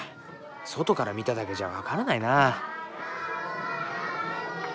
外から見ただけじゃ分からないな。